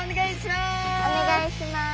お願いします！